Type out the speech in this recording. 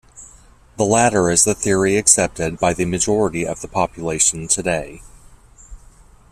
The latter is the theory accepted by the majority of the population today.